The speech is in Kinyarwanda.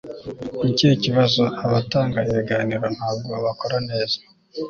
ni ikihe kibazo? abatanga ibiganiro ntabwo bakora neza